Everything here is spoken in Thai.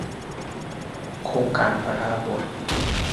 โครงการพระดาบส